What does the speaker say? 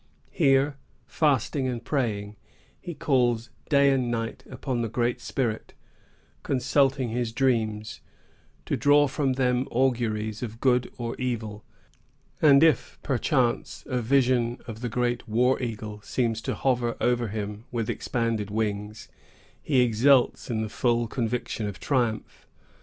Here, fasting and praying, he calls day and night upon the Great Spirit, consulting his dreams, to draw from them auguries of good or evil; and if, perchance, a vision of the great war eagle seems to hover over him with expanded wings, he exults in the full conviction of triumph.